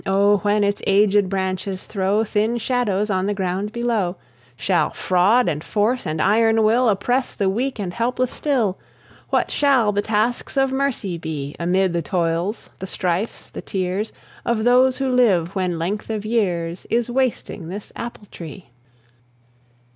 Oh, when its aged branches throw Thin shadows on the ground below, Shall fraud and force and iron will Oppress the weak and helpless still! What shall the tasks of mercy be, Amid the toils, the strifes, the tears Of those who live when length of years Is wasting this apple tree?